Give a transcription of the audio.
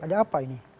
ada apa ini